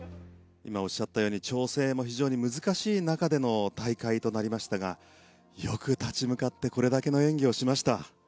今おっしゃったように調整も非常に難しい中での大会となりましたがよく立ち向かってこれだけの演技をしました。